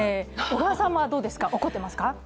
小川さんはどうですか、怒ってますか？